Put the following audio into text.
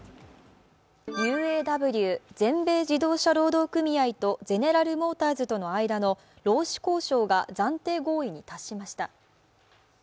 ＵＡＷ＝全米自動車労働組合とゼネラルモーターズとの間の労使交渉が暫定合意に達しました。